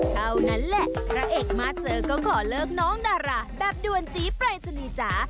เท่านั้นแหละพระเอกมาเจอก็ขอเลิกน้องดาราแบบด่วนจี๊ปรายศนีย์จ๋า